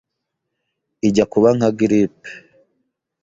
ijya kuba nka grippe